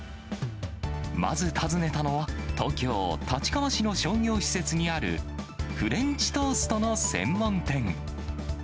まず訪ねたのは、東京・立川市の商業施設にあるフレンチトーストの専門店。